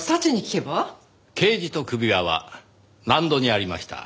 ケージと首輪は納戸にありました。